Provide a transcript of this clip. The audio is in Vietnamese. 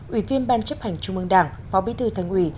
ủy viên ban chấp hành trung mương đảng phó bí thư thành ủy